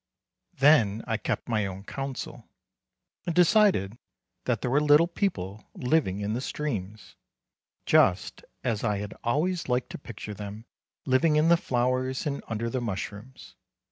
Then I kept my own counsel, and decided that there were Little People living in the streams, just as I had always liked to picture them living in the flowers and under the mushrooms.